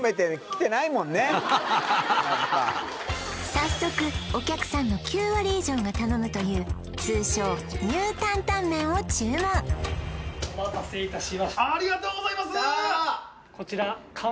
早速お客さんの９割以上が頼むという通称ニュータンタンメンを注文ありがとうございます！